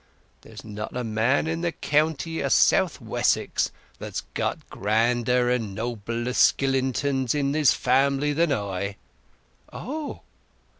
There's not a man in the county o' South Wessex that's got grander and nobler skillentons in his family than I." "Oh?"